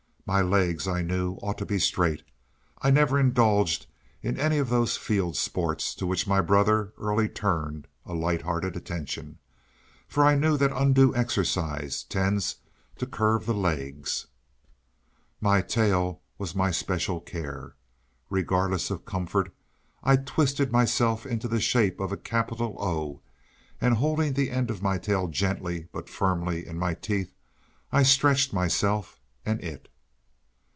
My legs, I knew, ought to be straight. I never indulged in any of those field sports, to which my brother early turned a light hearted attention; for I knew that undue exercise tends to curve the legs. My tail was my special care. Regardless of comfort, I twisted myself into the shape of a capital O, and, holding the end of my tail gently, but firmly, in my teeth, I stretched myself and it.